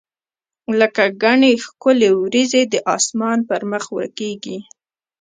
لکه ګڼي ښکلي وریځي د اسمان پر مخ ورکیږي